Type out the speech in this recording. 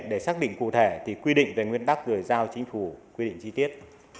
để xác định cụ thể thì quy định về nguyên tắc gửi giao chính phủ quy định chi tiết